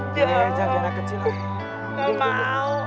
jangan jangan anak kecil anjir